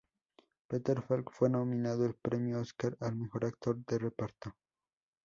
Peter Falk fue nominado al Premio Oscar al mejor actor de reparto.